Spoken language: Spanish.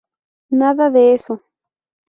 Nada de eso".